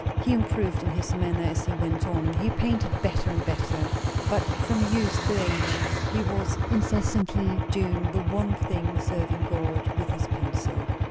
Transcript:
He improved in his manner as he went on; he painted better and better; but from youth to age he was incessantly doing the one thing, serving God with his pencil.